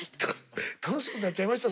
楽しくなっちゃいました？